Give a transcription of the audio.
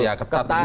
ketat ya ketat